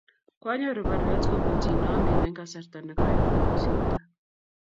kwanyoru baruet kobun chii ne angen eng' kasarta ne koi ne kokosirto